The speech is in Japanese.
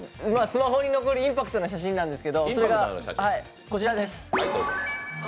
スマホに残るインパクトのある写真なんですけどそれがこちらです。